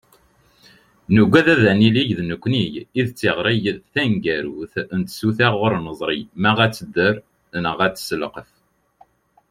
Nugad ad yili d nekkni i d tiɣri taneggarut n tsuta ur neẓri ma tedder neɣ tesselqaf.